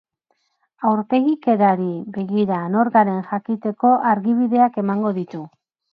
Aurpegikerari begira nor garen jakiteko argibideak emango ditu.